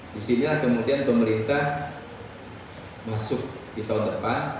di sinilah kemudian pemerintah masuk di tahun depan